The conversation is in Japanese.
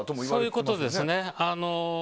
そういうことですね。